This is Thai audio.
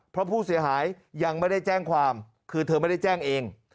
เพราะผู้เสียหายยังไม่ได้แจ้งความคือเธอไม่ได้แจ้งเอง